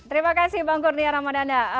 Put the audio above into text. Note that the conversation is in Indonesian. terima kasih bang kurnia ramadana